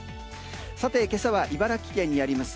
さて今朝は茨城県にあります